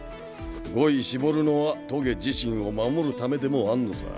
語彙絞るのは棘自身を守るためでもあんのさ。